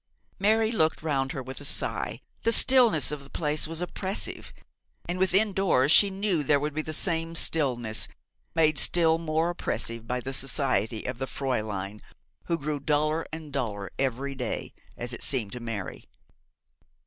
Mary looked round her with a sigh. The stillness of the place was oppressive, and within doors she knew there would be the same stillness, made still more oppressive by the society of the Fräulein, who grew duller and duller every day, as it seemed to Mary.